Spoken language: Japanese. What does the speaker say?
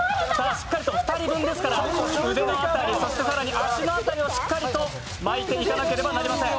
しっかりと２人分ですから、腕の辺り更に足の辺りをしっかりと巻いていかなくてはなりません。